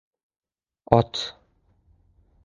— Ot!